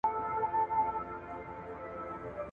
څنګه بهرنیو چارو وزیر پر نورو هیوادونو اغیز کوي؟